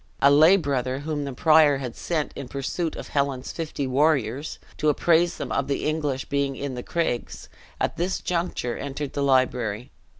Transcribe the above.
A lay brother whom the prior had sent in pursuit of Helen's fifty warriors, to apprise them of the English being in the craigs, at this juncture entered the library.